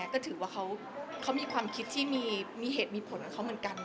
ก็ถือว่าเขามีความคิดที่มีเหตุมีผลกับเขาเหมือนกัน